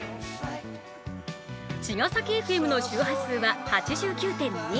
茅ヶ崎ＦＭの周波数は８９．２。